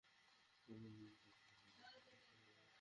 সে তা মাটিতে টেনে টেনে নিয়ে চলছে।